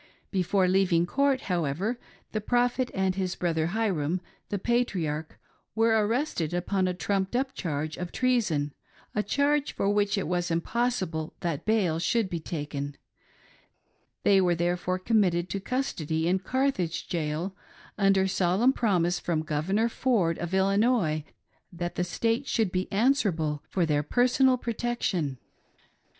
Before leaving court, how ever, the Prophet and his brother Hyrum, the Patriarch, were arrested upon a trumped up charge of treason — a charge for which it was impossible that bail should be taken ; they were therefore committed to custody in Carthage jail, under solemn promise from Governor Ford of Illinois that the State should be answerable for their personal protection.